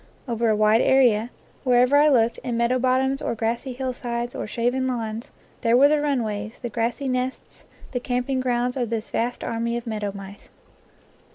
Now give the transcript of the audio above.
Over a wide area, wherever 1 looked in meadow bottoms or grassy hillsides or shaven lawns, there were the runways, the grassy nests, the camping grounds of this vast army of meadow mice.